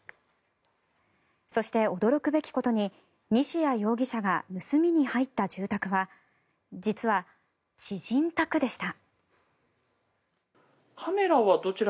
そして、驚くべきことに西谷容疑者が盗みに入った住宅は実は知人宅でした。